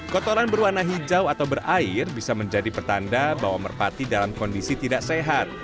kotoran berwarna hijau atau berair bisa menjadi pertanda bahwa merpati dalam kondisi tidak sehat